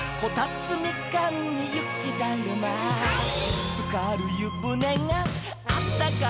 「つかるゆぶねがあったかーいねポン」